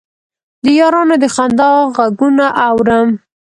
د یارانو د خندا غـــــــــــــــــږونه اورم